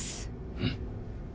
うん。